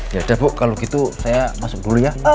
yaudah bu kalau gitu saya masuk dulu ya